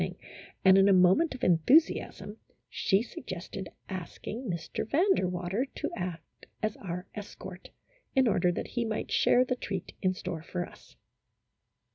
ing, and in a moment of enthusiasm she suggested asking Mr. Van der Water to act as our escort, in order that he might share the treat in store for us.